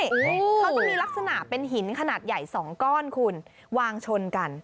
เขาจะมีลักษณะเป็นหินขนาดใหญ่๒ก้อนคุณวางชนกัน